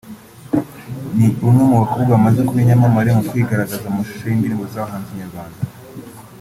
ni umwe mu bakobwa bamaze kuba inyamamare mu kwigaragaza mu mashusho y’indirimbo z’abahanzi nyarwanda